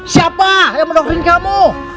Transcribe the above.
siapa yang mendokterin kamu